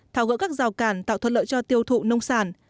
tháo gỡ các rào cản tạo thuận lợi cho tiêu thụ nông sản